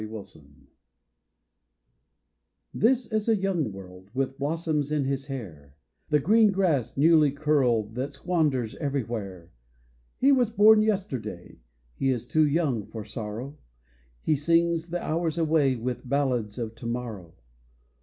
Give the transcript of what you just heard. THE BOY WORLD THIS is a young world With blossoms in his hair, The green grass newly curled That squanders everywhere ; He was born yesterday, He is too young for sorrow, He sings the hours away With ballads of to morrow.